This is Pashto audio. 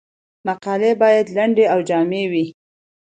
مقالې باید لنډې او جامع وي.